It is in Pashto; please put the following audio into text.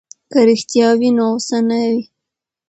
که رښتیا وي نو غصه نه وي.